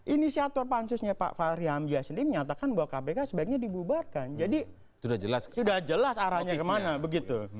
inisiator pansusnya pak fahri hamzah sendiri menyatakan bahwa kpk sebaiknya dibubarkan jadi sudah jelas arahnya kemana begitu